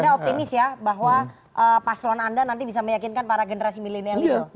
jadi anda optimis ya bahwa paselan anda nanti bisa meyakinkan para generasi milenial itu